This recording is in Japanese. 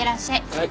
はい。